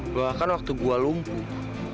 bahkan waktu gue lumpuh